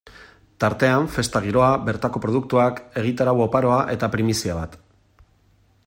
Tartean, festa giroa, bertako produktuak, egitarau oparoa eta primizia bat.